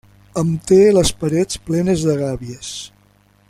Em té les parets plenes de gàbies.